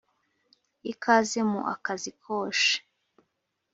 ikaze mu akazi koshe